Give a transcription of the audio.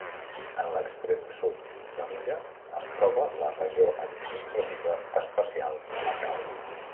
En l'extrem sud de l'illa es troba la Regió Administrativa Especial de Macau.